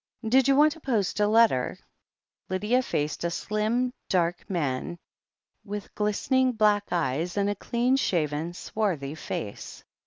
"Did you want to post a letter ?" Lydia faced a slim, dark man, with glistening, black eyes and a clean shaven, swarthy face.